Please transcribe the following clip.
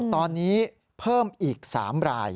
ตอนนี้เพิ่มอีก๓ราย